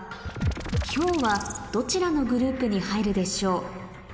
ヒョウはどちらのグループに入るでしょう？